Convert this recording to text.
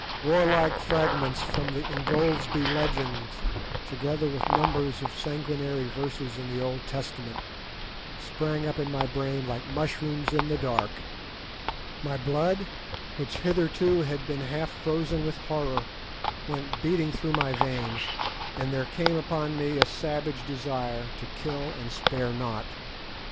Warlike fragments from the "Ingoldsby Legends," together with numbers of sanguinary verses in the Old Testament, sprang up in my brain like mushrooms in the dark; my blood, which hitherto had been half frozen with horror, went beating through my veins, and there came upon me a savage desire to kill and spare not.